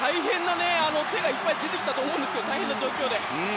手がいっぱい出てきたと思うんですけど、大変な状況で。